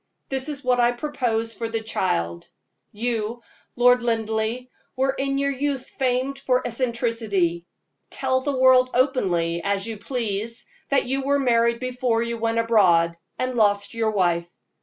This is what I propose for the child: You, my Lord Linleigh, were in your youth famed for eccentricity. Tell the world openly, as you please, that you were married before you went abroad, and lost your wife.